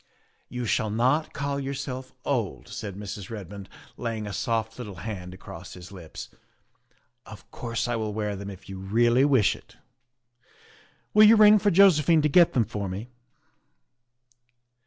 " You shall not call yourself old," said Mrs. Red mond, laying a soft little hand across his lips; " of course I will wear them if you really wish it. Will you ring for Josephine to get them for me?"